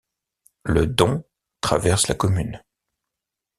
Le Don traverse la commune.